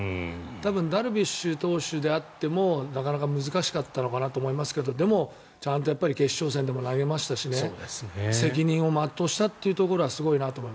多分ダルビッシュ投手であってもなかなか難しかったのかなと思いますけどでも、ちゃんと決勝戦でも投げましたし責任を全うしたというところはすごいなと思う。